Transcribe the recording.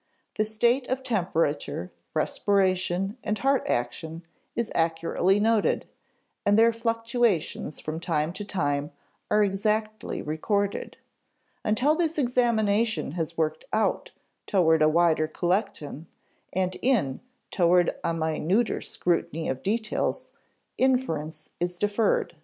The state of temperature, respiration, and heart action is accurately noted, and their fluctuations from time to time are exactly recorded. Until this examination has worked out toward a wider collection and in toward a minuter scrutiny of details, inference is deferred.